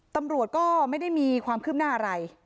ตำรวจก็ไม่ได้มีความคืบหน้าอะไร